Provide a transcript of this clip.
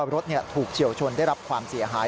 รถถูกเฉียวชนได้รับความเสียหาย